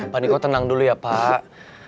panik kok tenang dulu ya pak